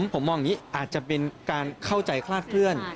ผมมองอย่างนี้อาจจะเป็นการเข้าใจคลาดเคลื่อน